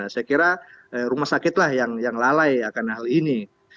saya kira rumah sakit lah yang lalai akan hal ini